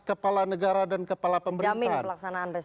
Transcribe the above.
kepala negara dan kepala pemerintahan